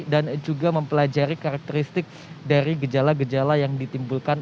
dan juga mempelajari karakteristik dari gejala gejala yang ditimbulkan